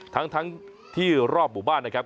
ทั้งที่รอบหมู่บ้านนะครับ